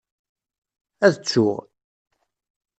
Ad tsuɣ.